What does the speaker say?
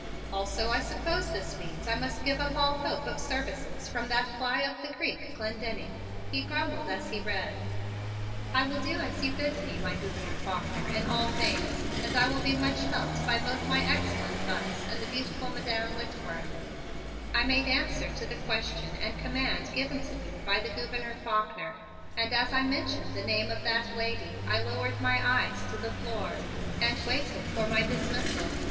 "Also I suppose this means I must give up all hope of services from that fly up the creek, Clendenning," he grumbled as he read. "I will do as you bid me, my Gouverneur Faulkner, in all things, and I will be much helped by both my excellent Buzz and the beautiful Madam Whitworth," I made answer to the question and command given to me by the Gouverneur Faulkner, and as I mentioned the name of that lady I lowered my eyes to the floor and waited for my dismissal.